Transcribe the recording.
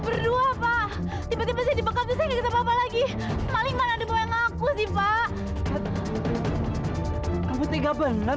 berdua pak tiba tiba jadi bekas lagi maling mana ada yang ngaku sih pak kamu tidak benar